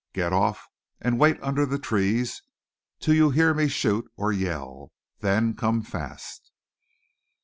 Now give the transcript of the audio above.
Get off and wait under the trees till you hear me shoot or yell, then come fast."